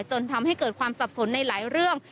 จนทำให้เกิดความสับสนในหลายเรื่อง